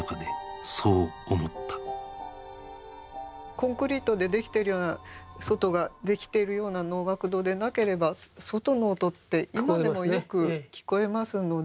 コンクリートで出来てるような外が出来てるような能楽堂でなければ外の音って今でもよく聞こえますので。